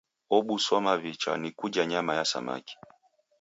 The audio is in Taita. Obuswa maw'icha ni kuja nyama ya samaki.